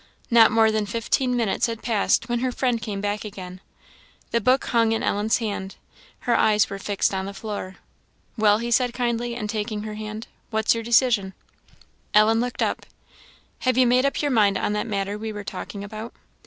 Not more than fifteen minutes had passed when her friend came back again. The book hung in Ellen's hand; her eyes were fixed on the floor. "Well," he said, kindly, and taking her hand, "what's your decision?" Ellen looked up. "Have you made up your mind on that matter we were talking about?"